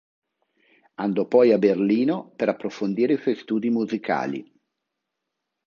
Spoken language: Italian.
Andò poi a Berlino per approfondire i suoi studi musicali.